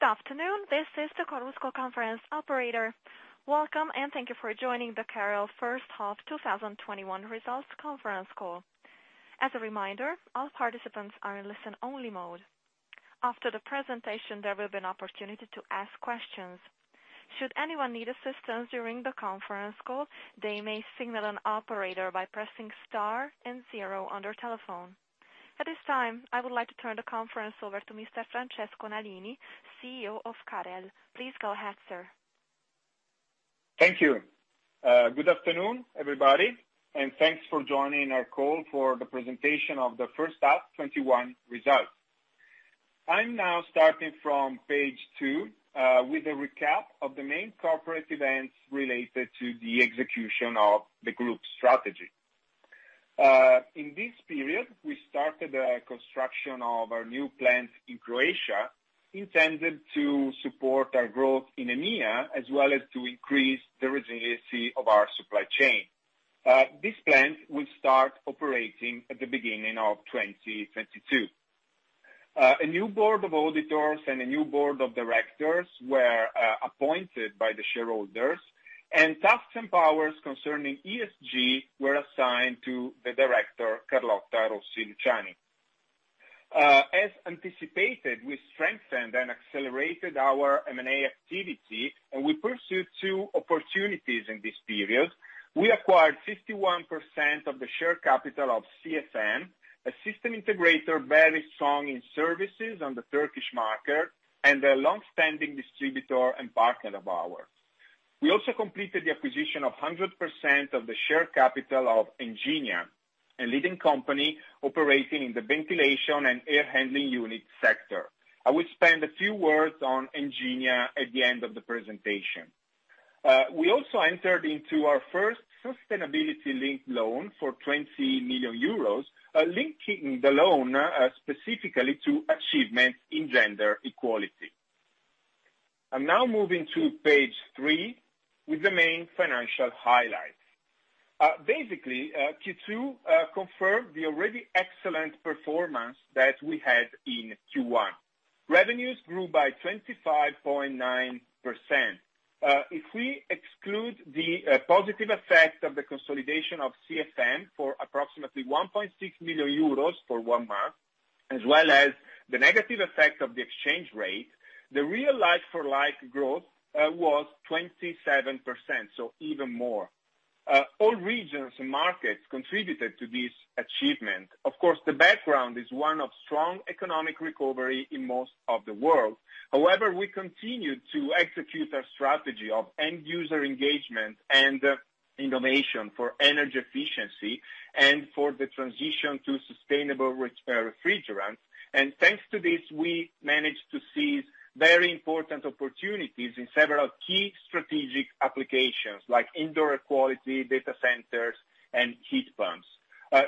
Good afternoon. This is the Chorus Call Conference operator. Welcome, and thank you for joining the CAREL first half 2021 results conference call. As a reminder, all participants are in listen-only mode. After the presentation, there will be an opportunity to ask questions. Should anyone need assistance during the conference call, they may signal an operator by pressing star and zero on their telephone. At this time, I would like to turn the conference over to Mr Francesco Nalini, CEO of CAREL. Please go ahead, sir. Thank you. Good afternoon, everybody, and thanks for joining our call for the presentation of the H1 2021 results. I'm now starting from page two, with a recap of the main corporate events related to the execution of the group strategy. In this period, we started the construction of our new plant in Croatia, intended to support our growth in EMEA, as well as to increase the resiliency of our supply chain. This plant will start operating at the beginning of 2022. A new board of auditors and a new board of directors were appointed by the shareholders, and tasks and powers concerning ESG were assigned to the director, Carlotta Rossi Luciani. As anticipated, we strengthened and accelerated our M&A activity, and we pursued two opportunities in this period. We acquired 51% of the share capital of CFM, a system integrator very strong in services on the Turkish market and a longstanding distributor and partner of ours. We also completed the acquisition of 100% of the share capital of Enginia, a leading company operating in the ventilation and air handling unit sector. I will spend a few words on Enginia at the end of the presentation. We also entered into our first sustainability linked loan for 20 million euros, linking the loan specifically to achievements in gender equality. I'm now moving to page three with the main financial highlights. Basically, Q2 confirmed the already excellent performance that we had in Q1. Revenues grew by 25.9%. If we exclude the positive effect of the consolidation of CFM for approximately 1.6 million euros for one month, as well as the negative effect of the exchange rate, the real like-for-like growth was 27%, even more. All regions and markets contributed to this achievement. Of course, the background is one of strong economic recovery in most of the world. However, we continue to execute our strategy of end user engagement and innovation for energy efficiency and for the transition to sustainable refrigerants. Thanks to this, we managed to seize very important opportunities in several key strategic applications, like indoor air quality, data centers, and heat pumps.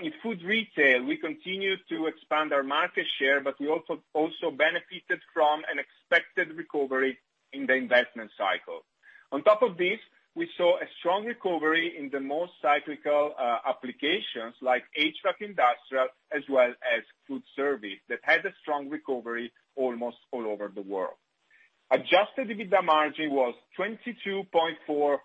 In food retail, we continued to expand our market share, we also benefited from an expected recovery in the investment cycle. On top of this, we saw a strong recovery in the most cyclical applications like HVAC industrial, as well as food service, that had a strong recovery almost all over the world. Adjusted EBITDA margin was 22.4%,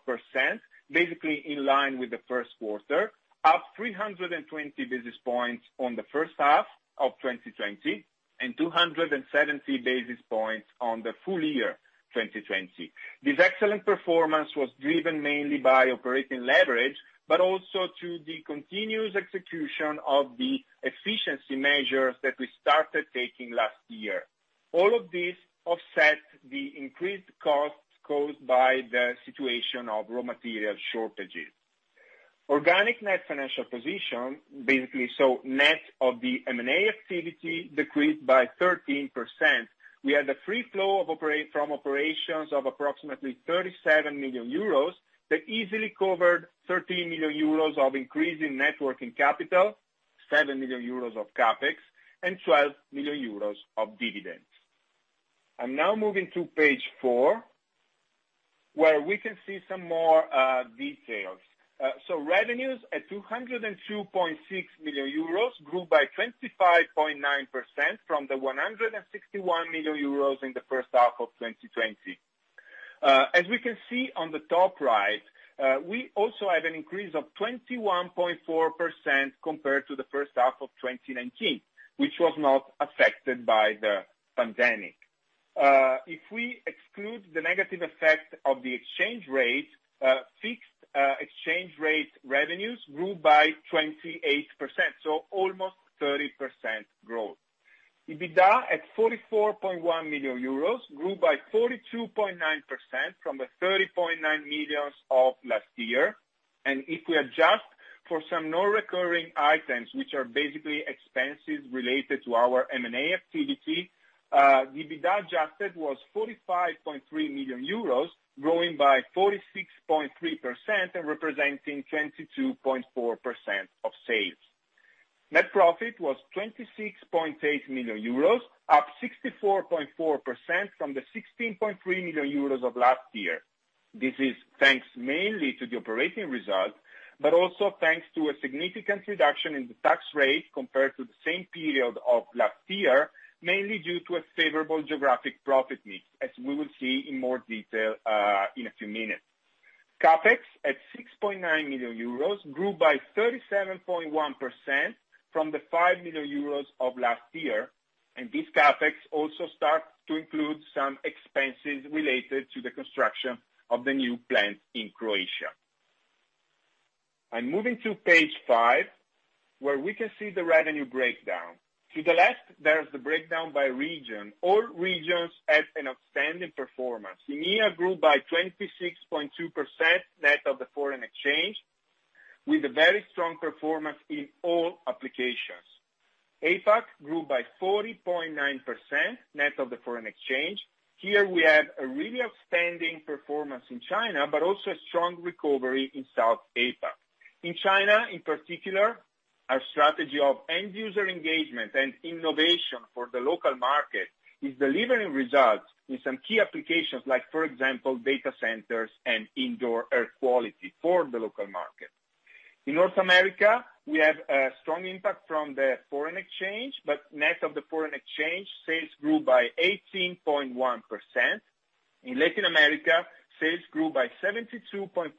basically in line with the first quarter, up 320 basis points on the first half of 2020 and 270 basis points on the full year 2020. This excellent performance was driven mainly by operating leverage, but also to the continuous execution of the efficiency measures that we started taking last year. All of this offset the increased costs caused by the situation of raw material shortages. Organic net financial position, basically, so net of the M&A activity, decreased by 13%. We had a free flow from operations of approximately 37 million euros that easily covered 13 million euros of increase in net working capital, 7 million euros of CapEx, and 12 million euros of dividends. I'm now moving to page four, where we can see some more details. Revenues at 202.6 million euros grew by 25.9% from the 161 million euros in the first half of 2020. As we can see on the top right, we also had an increase of 21.4% compared to the first half of 2019, which was not affected by the pandemic. If we exclude the negative effect of the exchange rate, fixed exchange rate revenues grew by 28%, almost 30% growth. EBITDA at 44.1 million euros grew by 42.9% from the 30.9 million of last year. If we adjust for some non-recurring items, which are basically expenses related to our M&A activity, the EBITDA adjusted was 45.3 million euros, growing by 46.3% and representing 22.4% of sales. Net profit was 26.8 million euros, up 64.4% from the 16.3 million euros of last year. This is thanks mainly to the operating result, also thanks to a significant reduction in the tax rate compared to the same period of last year, mainly due to a favorable geographic profit mix, as we will see in more detail in a few minutes. CapEx, at 6.9 million euros, grew by 37.1% from the 5 million euros of last year, this CapEx also starts to include some expenses related to the construction of the new plant in Croatia. I'm moving to page five, where we can see the revenue breakdown. To the left, there's the breakdown by region. All regions have an outstanding performance. EMEA grew by 26.2% net of the foreign exchange, with a very strong performance in all applications. APAC grew by 40.9% net of the foreign exchange. Here we have a really outstanding performance in China, but also a strong recovery in South APAC. In China, in particular, our strategy of end user engagement and innovation for the local market is delivering results in some key applications like, for example, data centers and indoor air quality for the local market. In North America, we have a strong impact from the foreign exchange, but net of the foreign exchange, sales grew by 18.1%. In Latin America, sales grew by 72.5%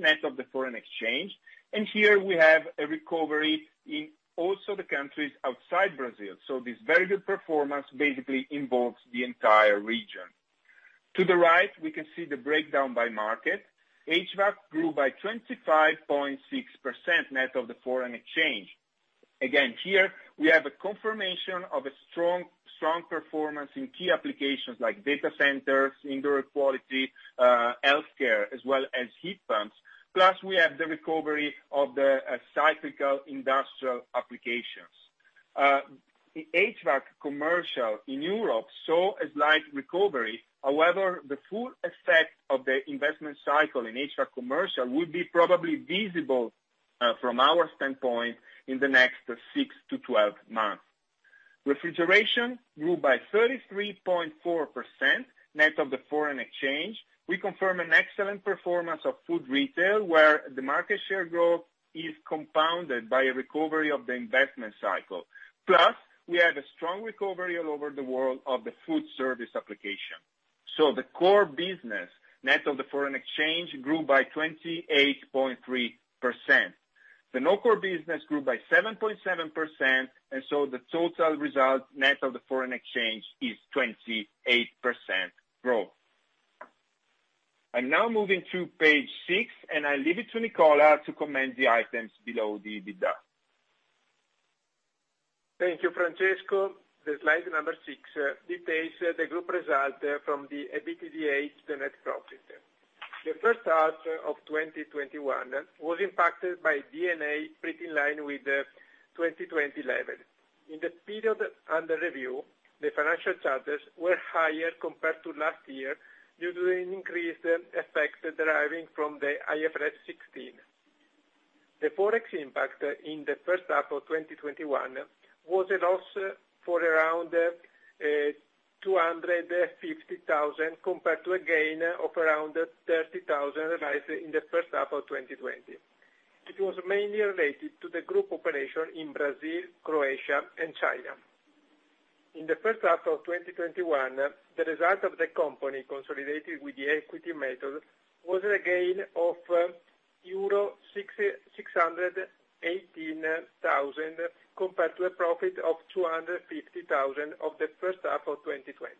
net of the foreign exchange, and here we have a recovery in also the countries outside Brazil. This very good performance basically involves the entire region. To the right, we can see the breakdown by market. HVAC grew by 25.6% net of the foreign exchange. Again, here we have a confirmation of a strong performance in key applications like data centers, indoor air quality, healthcare, as well as heat pumps. We have the recovery of the cyclical industrial applications. HVAC commercial in Europe saw a slight recovery. However, the full effect of the investment cycle in HVAC commercial will be probably visible from our standpoint in the next 6-12 months. Refrigeration grew by 33.4% net of the foreign exchange. We confirm an excellent performance of food retail, where the market share growth is compounded by a recovery of the investment cycle. We had a strong recovery all over the world of the food service application. The core business net of the foreign exchange grew by 28.3%. The non-core business grew by 7.7%, the total result net of the foreign exchange is 28% growth. I'm now moving to page six, and I leave it to Nicola to comment the items below the EBITDA. Thank you, Francesco. The slide number six details the group result from the EBITDA to net profit. The first half of 2021 was impacted by D&A pretty in line with the 2020 level. In the period under review, the financial charges were higher compared to last year due to an increased effect deriving from the IFRS 16. The Forex impact in the first half of 2021 was a loss for around 250,000 compared to a gain of around 30,000 realized in the first half of 2020. It was mainly related to the group operation in Brazil, Croatia, and China. In the first half of 2021, the result of the company consolidated with the equity method was a gain of euro 618,000 compared to a profit of 250,000 of the first half of 2020.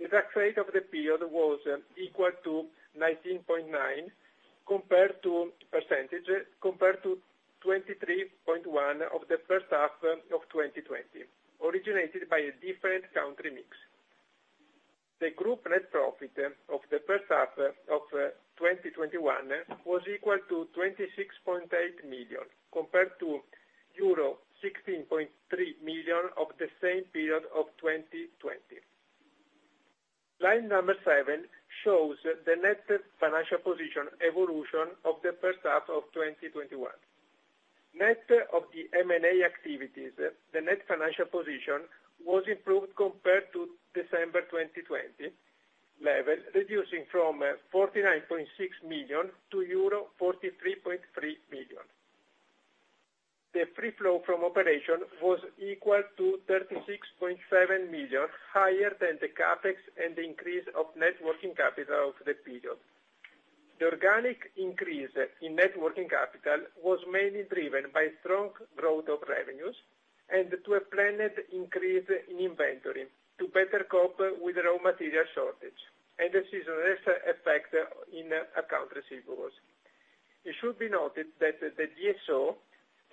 The tax rate of the period was equal to 19.9% compared to 23.1% of the first half of 2020, originated by a different country mix. The group net profit of the first half of 2021 was equal to 26.8 million compared to euro 16.3 million of the same period of 2020. Slide number 7 shows the net financial position evolution of the first half of 2021. Net of the M&A activities, the net financial position was improved compared to December 2020 level, reducing from 49.6 million to euro 43.3 million. The free cash flow from operation was equal to 36.7 million higher than the CapEx and the increase of net working capital of the period. The organic increase in net working capital was mainly driven by strong growth of revenues and to a planned increase in inventory to better cope with raw material shortage and the seasonality effect in account receivables. It should be noted that the DSO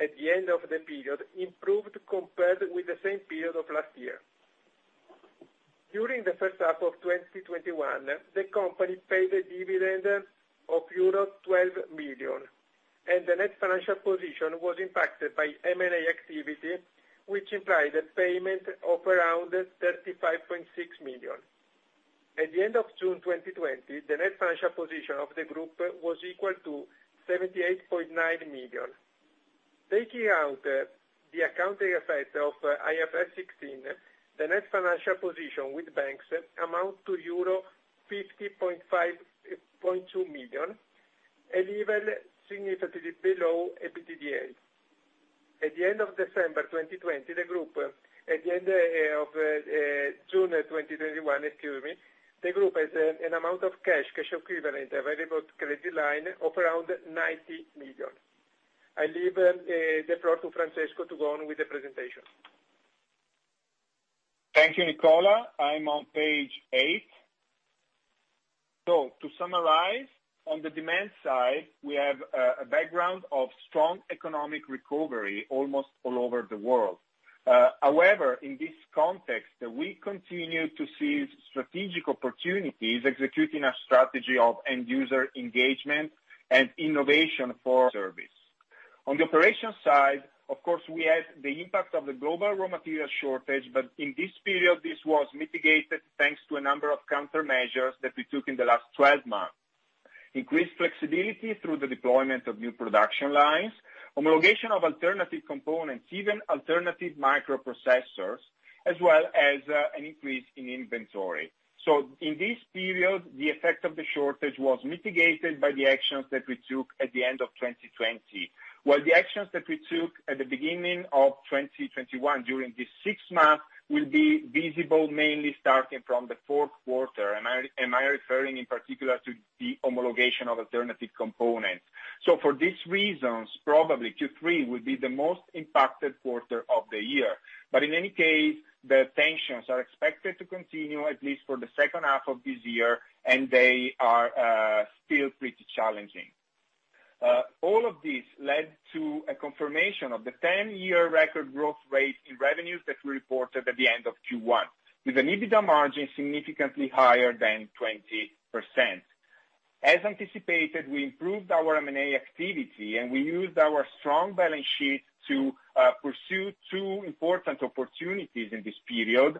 at the end of the period improved compared with the same period of last year. During the first half of 2021, the company paid a dividend of euro 12 million, and the net financial position was impacted by M&A activity, which implied a payment of around 35.6 million. At the end of June 2020, the net financial position of the group was equal to 78.9 million. Taking out the accounting effect of IFRS 16, the net financial position with banks amounts to euro 50.2 million, a level significantly below EBITDA. At the end of June 2021, the group has an amount of cash equivalent, available credit line of around 90 million. I leave the floor to Francesco to go on with the presentation. Thank you, Nicola. I'm on page eight. To summarize, on the demand side, we have a background of strong economic recovery almost all over the world. However, in this context, we continue to see strategic opportunities executing a strategy of end-user engagement and innovation for service. On the operations side, of course, we had the impact of the global raw material shortage, but in this period, this was mitigated thanks to a number of countermeasures that we took in the last 12 months. Increased flexibility through the deployment of new production lines, homologation of alternative components, even alternative microprocessors, as well as an increase in inventory. In this period, the effect of the shortage was mitigated by the actions that we took at the end of 2020, while the actions that we took at the beginning of 2021 during this six months will be visible mainly starting from the fourth quarter. Am I referring in particular to the homologation of alternative components. For these reasons, probably Q3 will be the most impacted quarter of the year. In any case, the tensions are expected to continue at least for the second half of this year, and they are still pretty challenging. All of this led to a confirmation of the 10-year record growth rate in revenues that we reported at the end of Q1, with an EBITDA margin significantly higher than 20%. As anticipated, we improved our M&A activity, we used our strong balance sheet to pursue two important opportunities in this period,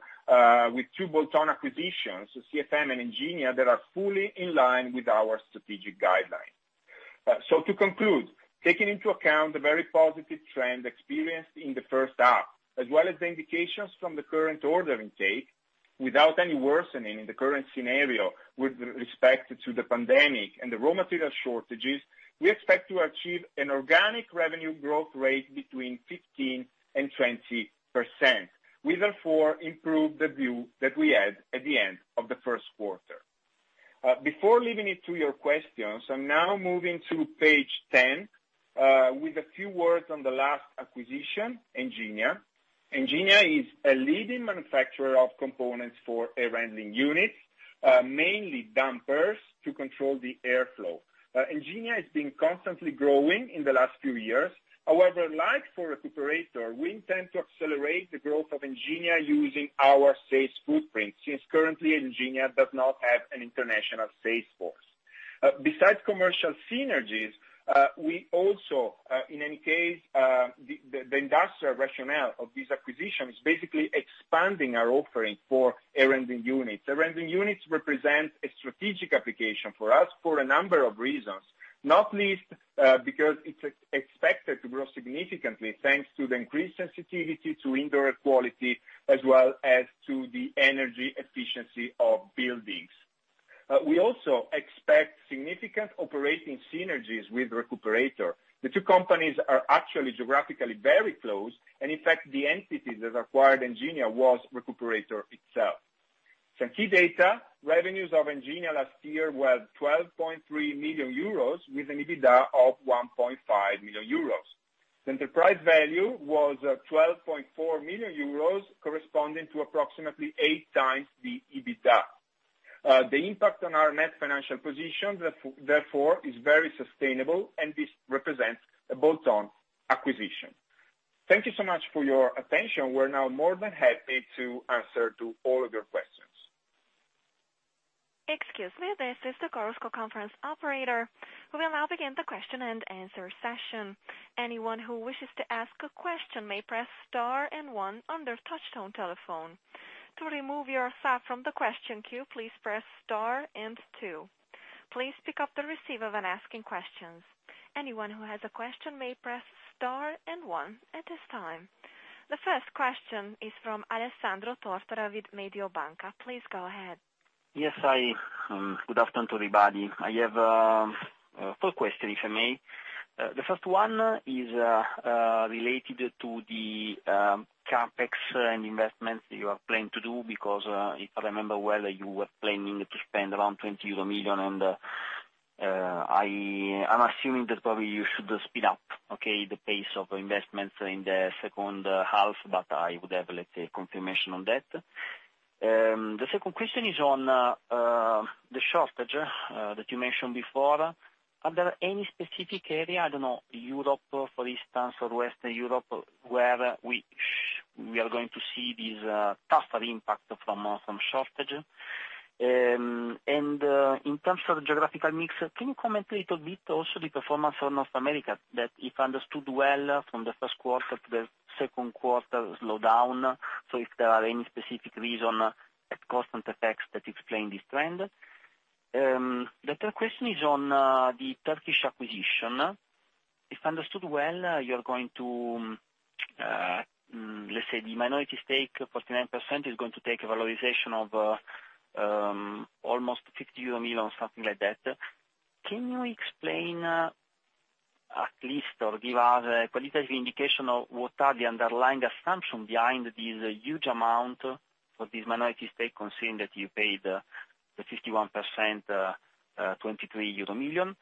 with two bolt-on acquisitions, CFM and Enginia, that are fully in line with our strategic guidelines. To conclude, taking into account the very positive trend experienced in the first half, as well as the indications from the current order intake, without any worsening in the current scenario with respect to the pandemic and the raw material shortages, we expect to achieve an organic revenue growth rate between 15% and 20%, we therefore improve the view that we had at the end of the first quarter. Before leaving it to your questions, I'm now moving to page 10, with a few words on the last acquisition, Enginia. Enginia is a leading manufacturer of components for air handling units, mainly dampers to control the airflow. Enginia has been constantly growing in the last few years. However, like for Recuperator, we intend to accelerate the growth of Enginia using our sales footprint, since currently Enginia does not have an international sales force. Besides commercial synergies, in any case, the industrial rationale of this acquisition is basically expanding our offering for air handling units. Air handling units represent a strategic application for us for a number of reasons, not least because it's expected to grow significantly, thanks to the increased sensitivity to indoor air quality as well as to the energy efficiency of buildings. We also expect significant operating synergies with Recuperator. The two companies are actually geographically very close, and in fact, the entity that acquired Enginia was Recuperator itself. Some key data, revenues of Enginia last year were 12.3 million euros, with an EBITDA of 1.5 million euros. The enterprise value was 12.4 million euros, corresponding to approximately eight times the EBITDA. The impact on our net financial position, therefore, is very sustainable, and this represents a bolt-on acquisition. Thank you so much for your attention. We're now more than happy to answer to all of your questions. Excuse me, this is the Chorus Call operator. We will now begin the question and answer session. Anyone who wishes to ask a question, may press star and one on their touch-tone telephone. To remove your self from the question queue please press star and two. Please pick up to receive when asking questions. Anyone who has a question, may press star then one at this time. The first question is from Alessandro Tortora with Mediobanca. Please go ahead. Yes. Good afternoon, everybody. I have four questions, if I may. The first one is related to the CapEx and investments you are planning to do, because if I remember well, you were planning to spend around 20 million euro, I'm assuming that probably you should speed up, okay, the pace of investments in the second half, I would have liked a confirmation on that. The second question is on the shortage that you mentioned before. Are there any specific area, I don't know, Europe, for instance, or Western Europe, where we are going to see this tougher impact from shortage? In terms of geographical mix, can you comment a little bit also the performance for North America, that if I understood well from the first quarter to the second quarter slow down, if there are any specific reason at constant effects that explain this trend? The third question is on the Turkish acquisition. If understood well, you are going to, let's say the minority stake, 49%, is going to take a valorization of almost 50 million euro, something like that. Can you explain at least or give us a qualitative indication of what are the underlying assumptions behind this huge amount for this minority stake, considering that you paid the 51%, 23 million euro?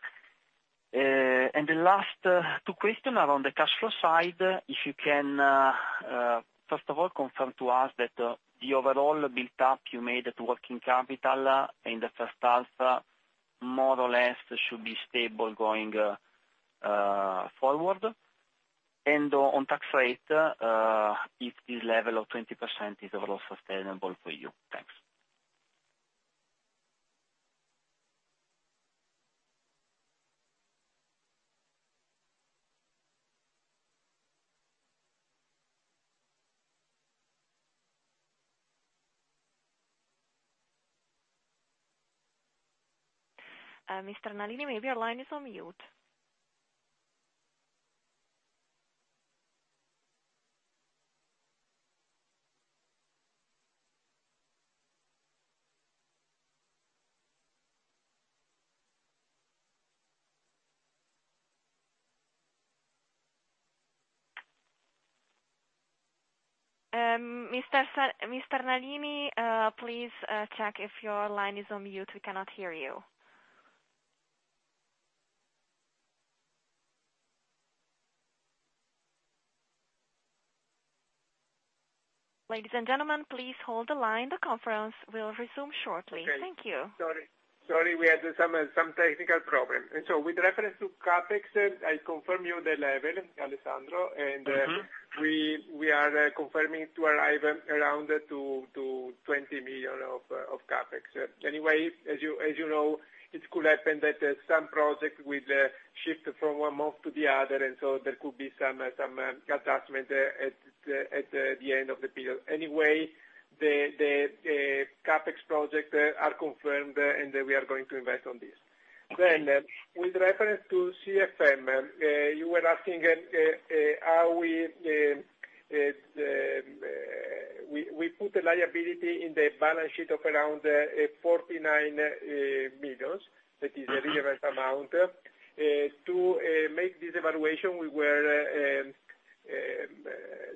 The last two question are on the cash flow side. If you can, first of all, confirm to us that the overall build-up you made to working capital in the first half, more or less should be stable going forward. On tax rate, if this level of 20% is overall sustainable for you. Thanks. Mr. Nalini, maybe your line is on mute. Mr. Nalini, please check if your line is on mute. We cannot hear you. Ladies and gentlemen, please hold the line. The conference will resume shortly. Thank you. Okay. Sorry. We had some technical problem. With reference to CapEx, I confirm you the level, Alessandro, and we are confirming to arrive around 20 million of CapEx. Anyway, as you know, it could happen that some projects will shift from one month to the other, and so there could be some adjustment there at the end of the period. Anyway, the CapEx projects are confirmed, and we are going to invest on this. With reference to CFM, you were asking how we put a liability in the balance sheet of around 49 million. That is a relevant amount. To make this evaluation, we were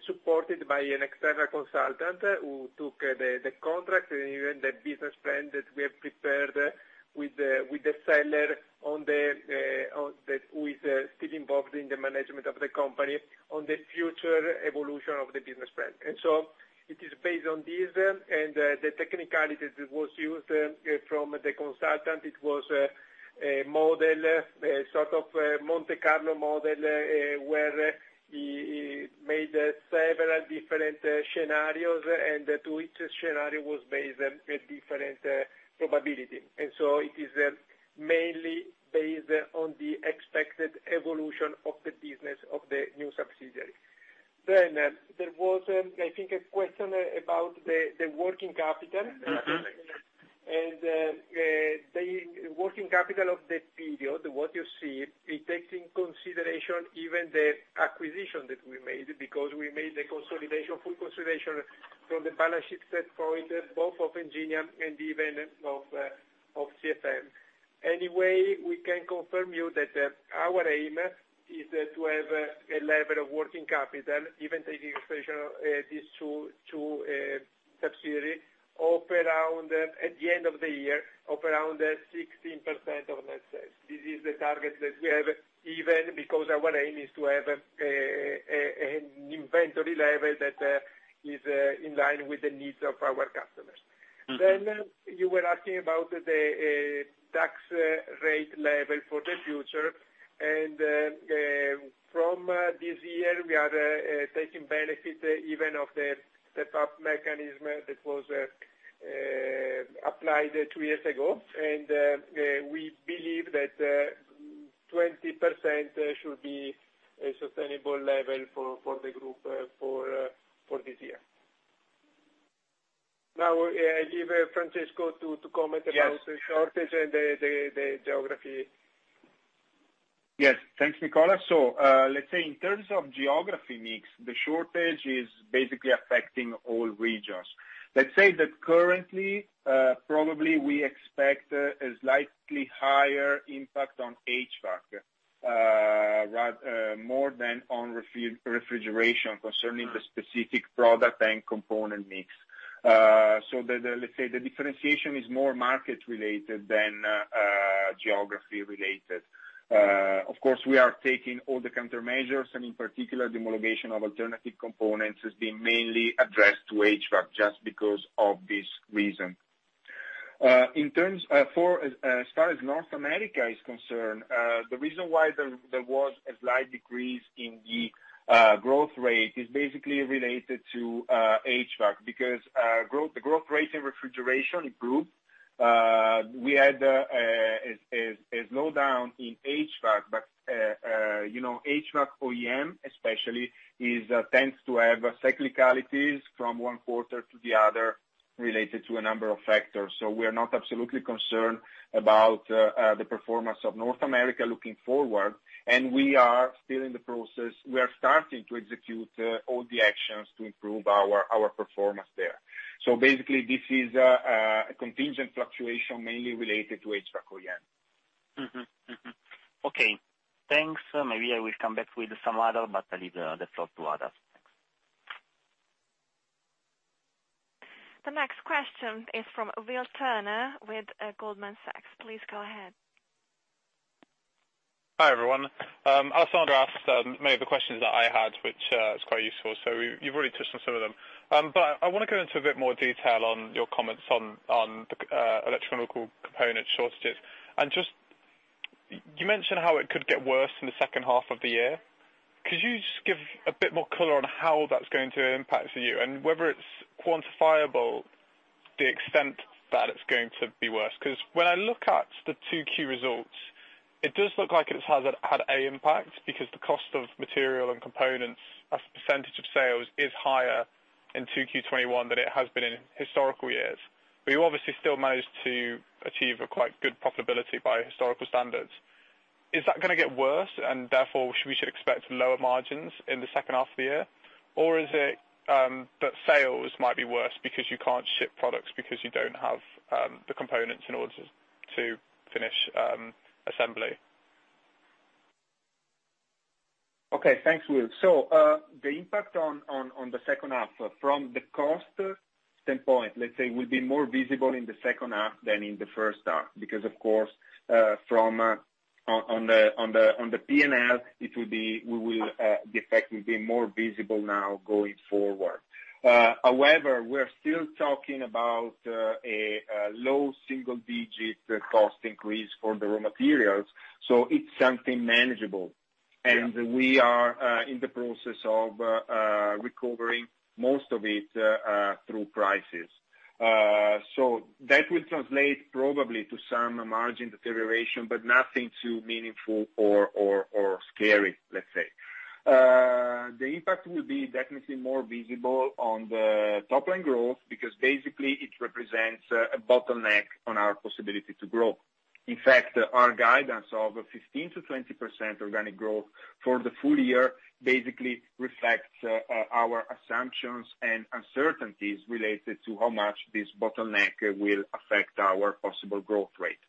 supported by an external consultant who took the contract and even the business plan that we have prepared with the seller, who is still involved in the management of the company, on the future evolution of the business plan. It is based on this and the technicality that was used from the consultant, it was a model, a sort of Monte Carlo model, where he made several different scenarios, and to each scenario was based on a different probability. It is mainly based on the expected evolution of the business of the new subsidiary. There was, I think, a question about the working capital. The working capital of the period, what you see, it takes into consideration even the acquisition that we made, because we made the consolidation, full consolidation from the balance sheet set for it, both of Enginia and even of CFM. We can confirm you that our aim is to have a level of working capital, even taking expression of these two subsidiaries, of around, at the end of the year, of around 16% of net sales. This is the target that we have, even because our aim is to have an inventory level that is in line with the needs of our customers. You were asking about the tax rate level for the future, and from this year, we are taking benefit even of the top mechanism that was applied two years ago. We believe that 20% should be a sustainable level for the group for this year. I give Francesco to comment about- Yes -the shortage and the geography. Yes. Thanks, Nicola. Let's say in terms of geography mix, the shortage is basically affecting all regions. Let's say that currently, probably we expect a slightly higher impact on HVAC, more than on refrigeration, concerning the specific product and component mix. Let's say the differentiation is more market related than geography related. Of course, we are taking all the countermeasures, and in particular, the homologation of alternative components is being mainly addressed to HVAC just because of this reason. As far as North America is concerned, the reason why there was a slight decrease in the growth rate is basically related to HVAC, because the growth rate in refrigeration improved. We had a slowdown in HVAC OEM especially tends to have cyclicalities from one quarter to the other related to a number of factors. We are not absolutely concerned about the performance of North America looking forward, and we are still in the process. We are starting to execute all the actions to improve our performance there. Basically, this is a contingent fluctuation mainly related to HVAC OEM. Okay. Thanks. Maybe I will come back with some other. I leave the floor to others. Thanks. The next question is from Will Turner with Goldman Sachs. Please go ahead. Hi, everyone. Alessandro asked many of the questions that I had, which is quite useful. You've already touched on some of them. I want to go into a bit more detail on your comments on the electrical component shortages. Just, you mentioned how it could get worse in the second half of the year. Could you just give a bit more color on how that's going to impact you and whether it's quantifiable, the extent that it's going to be worse? When I look at the two key results, it does look like it has had a impact because the cost of material and components as a percentage of sales is higher in 2Q 2021 than it has been in historical years. You obviously still managed to achieve a quite good profitability by historical standards. Is that going to get worse, therefore, we should expect lower margins in the second half of the year? Is it that sales might be worse because you cannot ship products because you do not have the components in order to finish assembly? Okay, thanks, Will. The impact on the second half from the cost standpoint, let's say, will be more visible in the second half than in the first half, because, of course, on the P&L, the effect will be more visible now going forward. However, we are still talking about a low single-digit cost increase for the raw materials, so it's something manageable. Yeah. We are in the process of recovering most of it through prices. That will translate probably to some margin deterioration, but nothing too meaningful or scary, let's say. The impact will be definitely more visible on the top-line growth because basically it represents a bottleneck on our possibility to grow. In fact, our guidance of 15%-20% organic growth for the full year basically reflects our assumptions and uncertainties related to how much this bottleneck will affect our possible growth rate.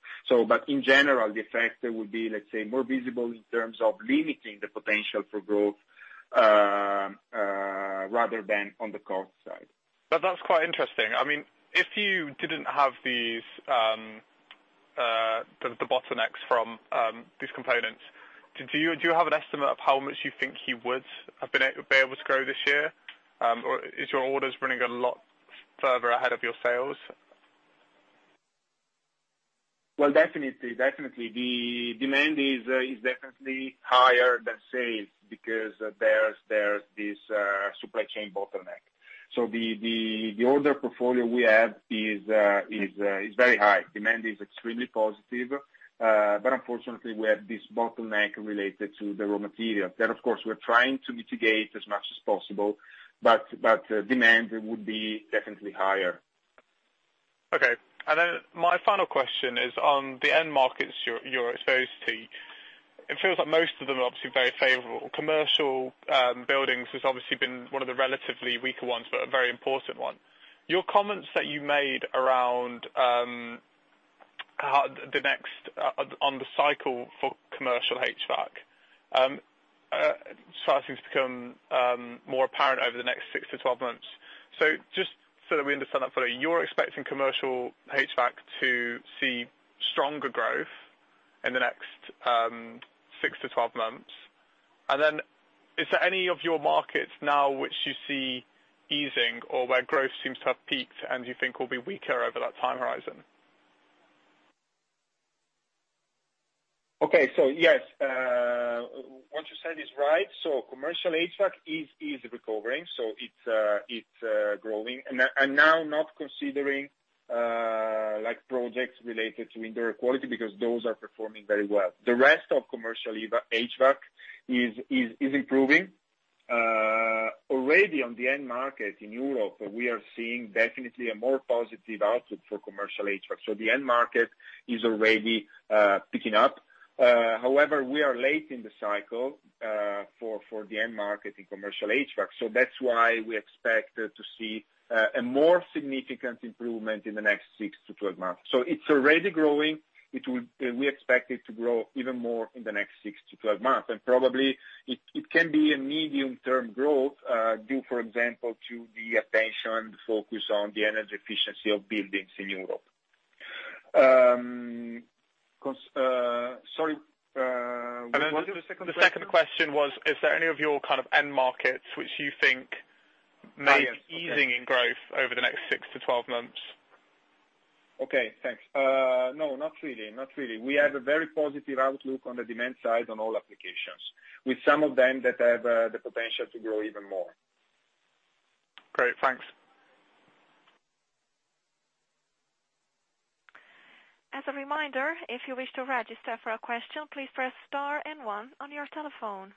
In general, the effect will be, let's say, more visible in terms of limiting the potential for growth, rather than on the cost side. That's quite interesting. If you didn't have the bottlenecks from these components, do you have an estimate of how much you think you would have been able to grow this year? Is your orders running a lot further ahead of your sales? Well, definitely. Definitely. The demand is definitely higher than sales because there's this supply chain bottleneck. The order portfolio we have is very high. Demand is extremely positive. Unfortunately, we have this bottleneck related to the raw material. That, of course, we're trying to mitigate as much as possible, but demand would be definitely higher. Okay. My final question is on the end markets you're exposed to. It feels like most of them are obviously very favorable. Commercial buildings has obviously been one of the relatively weaker ones, but a very important one. Your comments that you made around on the cycle for commercial HVAC starting to become more apparent over the next six to 12 months. Just so that we understand that fully, you're expecting commercial HVAC to see stronger growth in the next six to 12 months. Is there any of your markets now which you see easing or where growth seems to have peaked and you think will be weaker over that time horizon? Okay. Yes. Commercial HVAC is recovering. It's growing. Now not considering projects related to indoor quality, because those are performing very well. The rest of commercial HVAC is improving. Already on the end market in Europe, we are seeing definitely a more positive outlook for commercial HVAC. The end market is already picking up. However, we are late in the cycle for the end market in commercial HVAC. That's why we expect to see a more significant improvement in the next 6 to 12 months. It's already growing. We expect it to grow even more in the next 6-12 months. Probably it can be a medium-term growth, due for example, to the attention focus on the energy efficiency of buildings in Europe. Sorry, what was your second question? The second question was, is there any of your kind of end markets which you think may be easing in growth over the next 6-12 months? Okay, thanks. No, not really. Not really. We have a very positive outlook on the demand side on all applications, with some of them that have the potential to grow even more. Great. Thanks. As a reminder, if you wish to register for a question, please press star and one on your telephone.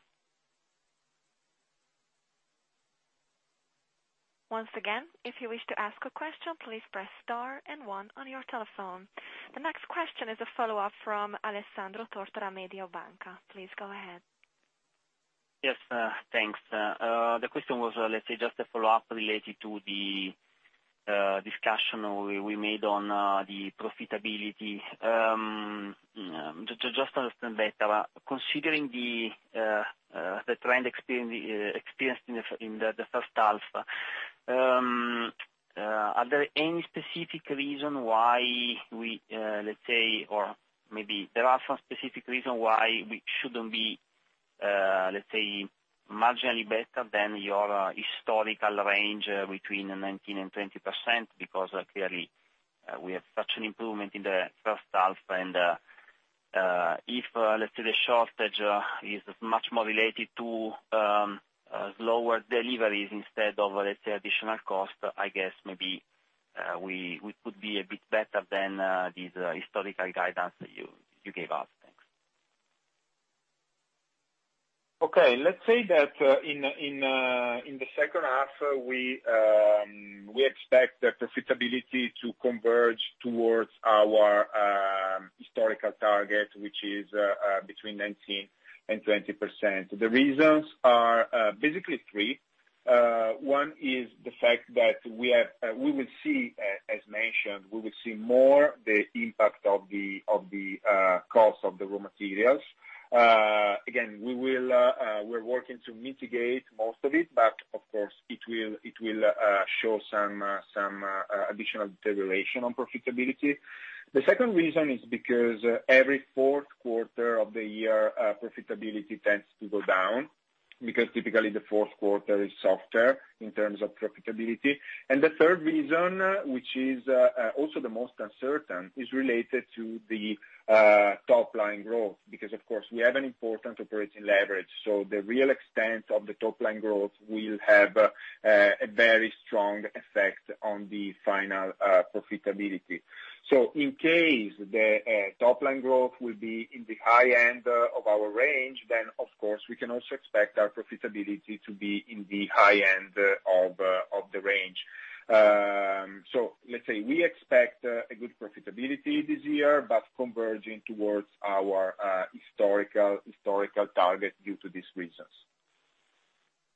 Once again, if you wish to ask a question, please press star and one on your telephone. The next question is a follow-up from Alessandro Tortora, Mediobanca. Please go ahead. Yes, thanks. The question was, let's say, just a follow-up related to the discussion we made on the profitability. To just understand better, considering the trend experienced in the first half, are there any specific reason why we shouldn't be, let's say, marginally better than your historical range between the 19% and 20%? Clearly, we have such an improvement in the first half and, if, let's say, the shortage is much more related to lower deliveries instead of, let's say, additional cost, I guess maybe we could be a bit better than these historical guidance you gave us. Thanks. Okay. Let's say that in the second half, we expect that profitability to converge towards our historical target, which is between 19% and 20%. The reasons are basically three. One is the fact that we will see, as mentioned, we will see more the impact of the cost of the raw materials. Again, we're working to mitigate most of it, but of course it will show some additional deterioration on profitability. The second reason is because every fourth quarter of the year, profitability tends to go down because typically the fourth quarter is softer in terms of profitability. The third reason, which is also the most uncertain, is related to the top-line growth because, of course, we have an important operating leverage, so the real extent of the top-line growth will have a very strong effect on the final profitability. In case the top-line growth will be in the high end of our range, of course, we can also expect our profitability to be in the high end of the range. Let's say we expect a good profitability this year, but converging towards our historical target due to these reasons.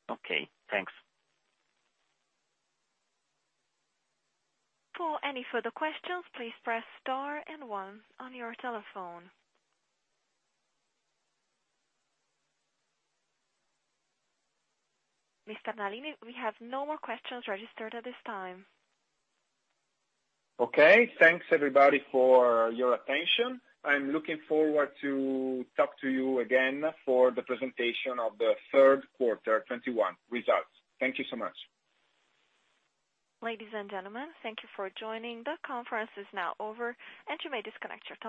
Okay, thanks. Mr. Nalini, we have no more questions registered at this time. Okay. Thanks everybody for your attention. I'm looking forward to talk to you again for the presentation of the third quarter 2021 results. Thank you so much. Ladies and gentlemen, thank you for joining. The conference is now over, and you may disconnect your telephones.